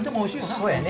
そうやね。